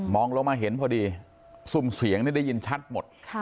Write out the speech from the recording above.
ลงมาเห็นพอดีซุ่มเสียงนี่ได้ยินชัดหมด